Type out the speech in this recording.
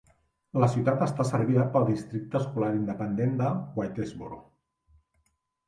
La ciutat està servida pel districte escolar independent de Whitesboro.